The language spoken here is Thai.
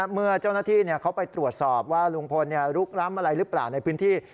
เมื่อเจ้าหน้าที่เขาไปตรวจสอบว่าลุงพลลุกล้ำอะไรหรือเปล่าในพื้นที่